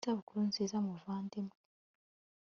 isabukuru nziza muvandimwe